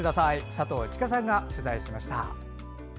佐藤千佳さんが取材しました。